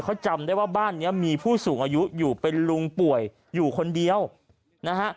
เขาจำได้ว่าบ้านนี้มีผู้สูงอายุอยู่เป็นลุงป่วยอยู่คนเดียวนะฮะ